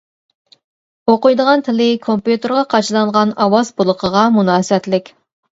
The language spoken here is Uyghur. ئوقۇيدىغان تىلى كومپيۇتېرغا قاچىلانغان ئاۋاز بولىقىغا مۇناسىۋەتلىك.